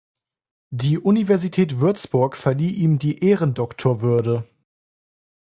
Die Universität Würzburg verlieh ihm die Ehrendoktorwürde.